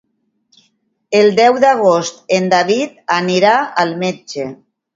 El deu d'agost en David anirà al metge.